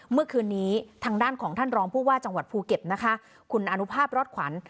เมื่อคืนนี้ทางด้านของท่านรองผู้ว่าจังหวัดภูเก็ตนะคะคุณอนุภาพรอดขวัญ